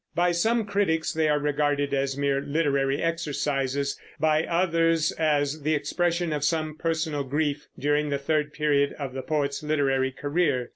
By some critics they are regarded as mere literary exercises; by others as the expression of some personal grief during the third period of the poet's literary career.